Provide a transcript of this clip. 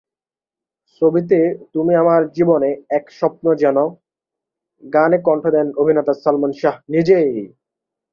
ছবিতে "তুমি আমার জীবনে এক স্বপ্ন যেন" গানে কণ্ঠ দেন অভিনেতা সালমান শাহ নিজেই।